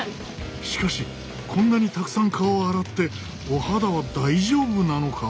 しかしこんなにたくさん顔を洗ってお肌は大丈夫なのか？